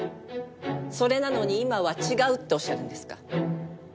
それなのに今は違うっておっしゃるんですか？